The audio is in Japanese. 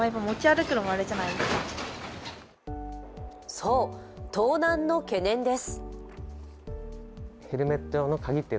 そう、盗難の懸念です。